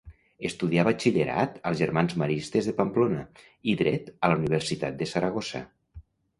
Estudià batxillerat als Germans Maristes de Pamplona i dret a la Universitat de Saragossa.